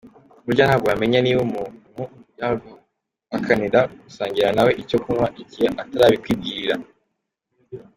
Burya ntabwo wamenya niba umuntu yaguhakanira gusangira nawe icyo kunywa igihe atarabikwibwirira.